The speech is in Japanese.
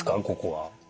ここは。